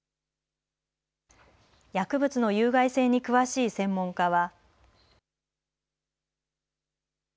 薬物の有害性に詳しい専門家は。